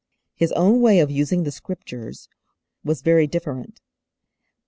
His own way of using the Scriptures was very different.